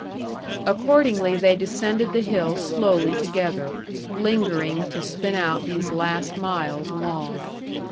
Accordingly, they descended the hill slowly together, lingering to spin out these last miles long.